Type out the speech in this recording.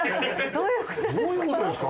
どういうことですか？